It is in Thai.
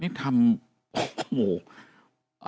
นี่ทำโอ้โห